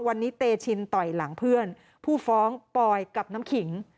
วันนี้เตชินต่อยหลังเพื่อนผู้ฟ้องปอยกับน้ำขิง